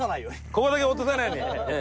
ここだけ落とさないようにね。